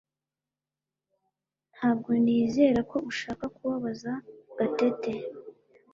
Ntabwo nizera ko ushaka kubabaza Gatete